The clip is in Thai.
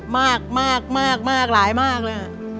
มากค่ะมากมากเลยค่ะ